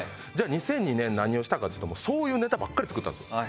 ２００２年何をしたかというとそういうネタばっかり作ったんですよ。